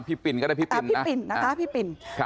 พี่ปิ่นก็ได้พี่ปิ่น